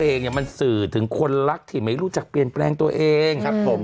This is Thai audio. เองเนี่ยมันสื่อถึงคนรักที่ไม่รู้จักเปลี่ยนแปลงตัวเองครับผม